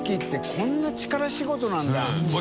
こんな力仕事なんだ。ねぇ。